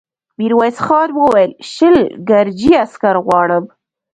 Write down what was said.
ميرويس خان وويل: شل ګرجي عسکر غواړم.